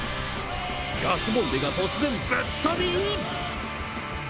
ガスボンベが突然ぶっ飛びー。